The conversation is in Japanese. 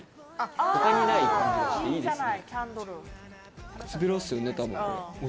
他にない感じがしていいですね。